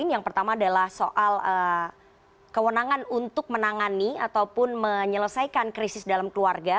yang pertama adalah soal kewenangan untuk menangani ataupun menyelesaikan krisis dalam keluarga